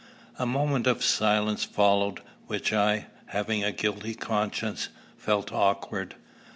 A moment of silence followed, which I, having a guilty conscience, felt awkward.